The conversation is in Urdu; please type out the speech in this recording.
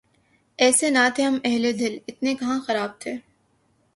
ایسے نہ تھے ہم اہلِ دل ، اتنے کہاں خراب تھے